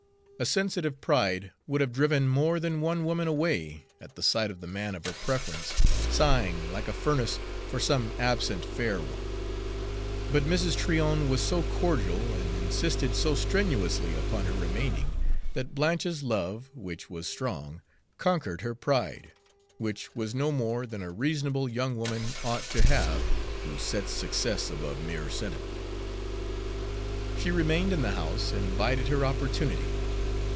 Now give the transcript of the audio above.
A sensitive pride would have driven more than one woman away at the sight of the man of her preference sighing like a furnace for some absent fair one. But Mrs. Tryon was so cordial, and insisted so strenuously upon her remaining, that Blanche's love, which was strong, conquered her pride, which was no more than a reasonable young woman ought to have who sets success above mere sentiment. She remained in the house and bided her opportunity.